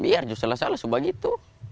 biar salah salah cuma begitu